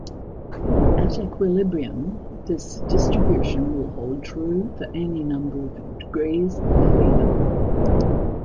At equilibrium, this distribution will hold true for any number of degrees of freedom.